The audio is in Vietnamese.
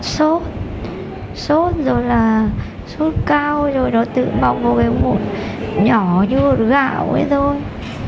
suốt suốt rồi là suốt cao rồi nó tự bọc một cái mũi nhỏ như một gạo ấy thôi